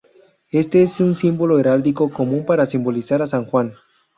Este es un símbolo heráldico común para simbolizar a San Juan.